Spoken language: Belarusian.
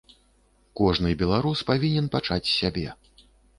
Кожны беларус павінен пачаць з сябе.